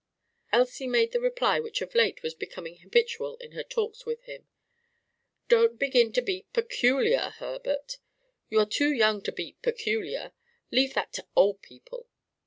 Elsie made the reply which of late was becoming habitual in her talks with him. "Don't begin to be peculiar, Herbert. You are too young to be peculiar. Leave that to old people!"